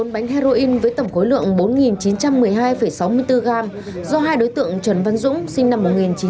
một bánh heroin với tổng khối lượng bốn chín trăm một mươi hai sáu mươi bốn gram do hai đối tượng trần văn dũng sinh năm một nghìn chín trăm tám mươi